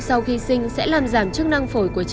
sau khi sinh sẽ làm giảm chức năng phổi của trẻ